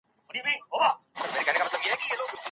کابل باید د عصري ښاري اصولو سره سم ودان شي.